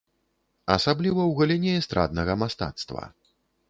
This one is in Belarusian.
Асабліва ў галіне эстраднага мастацтва.